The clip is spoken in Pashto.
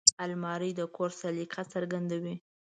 الماري د کور سلیقه څرګندوي